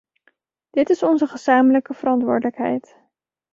Dit is onze gezamenlijke verantwoordelijkheid.